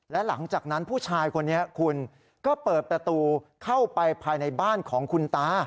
และหลังจากนั้นผู้ชายคนนี้คุณก็เปิดประตูเข้าไปภายในบ้านของคุณตา